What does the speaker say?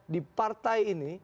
di partai ini